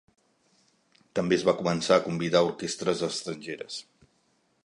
També es va començar a convidar orquestres estrangeres.